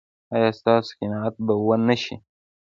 ایا ستاسو قناعت به و نه شي؟